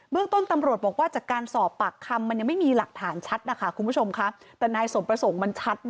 เมื่อกต้นตำรวจบอกว่าจากการสอบปากคำ